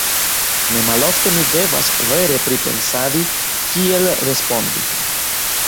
Ne malofte mi devas vere pripensadi, kiel respondi.